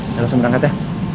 saya harus berangkat ya